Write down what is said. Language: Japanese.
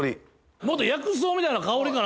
もっと薬草みたいな香りかな思うたら。